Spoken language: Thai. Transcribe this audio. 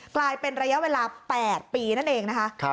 กลายเป็นระยะเวลา๘ปีนั่นเองนะคะ